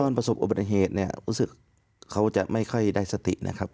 ประสบอุบัติเหตุเนี่ยรู้สึกเขาจะไม่ค่อยได้สตินะครับ